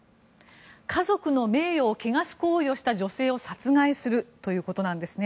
家族の名誉を汚す行為をした女性を殺害するということなんですね。